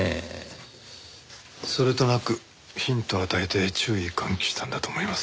それとなくヒントを与えて注意喚起したんだと思います。